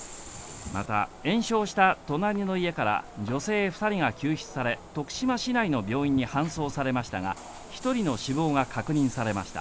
また、延焼した隣の家から女性２人が救出され、徳島市内の病院に搬送されましたが１人の死亡が確認されました。